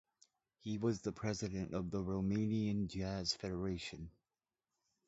He was the President of the Romanian Jazz Federation.